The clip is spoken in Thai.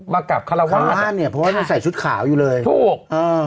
มากราบคาราวาสคาราวาสเนี่ยเพราะว่าต้องใส่ชุดขาวอยู่เลยถูก